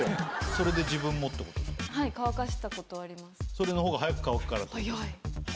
それの方が早く乾くから。